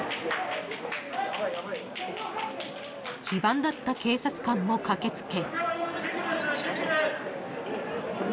［非番だった警察官も駆けつけ］